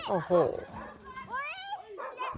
โอ้โห